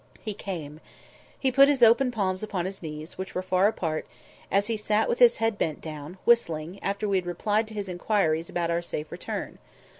He came. He put his open palms upon his knees, which were far apart, as he sat with his head bent down, whistling, after we had replied to his inquiries about our safe return.